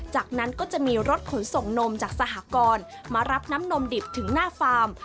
จากนั้นก็จะมีรถขนส่งนมจากสหกรมารับน้ำนมดิบถึงหน้าฟาร์ม